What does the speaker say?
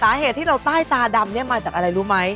สาเหตุที่เราใต้ตาดำเนี่ยมาจากอะไรรู้ไหม